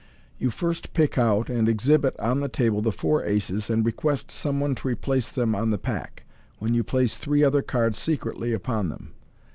You first pick out and exhibit on the table the four aces, and request some one to replace them on the pack, when you place three other cards secretly apon them.